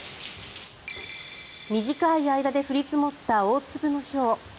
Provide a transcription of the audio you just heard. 短い間で降り積もった大粒のひょう。